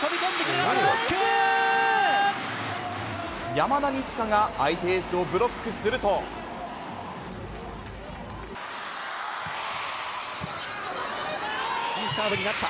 山田二千華が相手エースをブいいサーブになった。